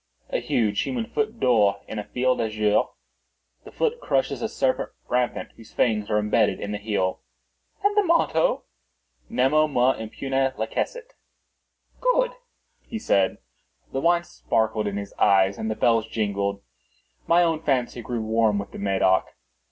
"A huge human foot d'or, in a field azure; the foot crushes a serpent rampant whose fangs are imbedded in the heel." "And the motto?" "Nemo me impune lacessit." "Good!" he said. The wine sparkled in his eyes and the bells jingled. My own fancy grew warm with the Medoc.